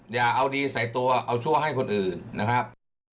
อย่าเอาดีใส่ตัวเอาชั่วให้คนอื่นนะครับ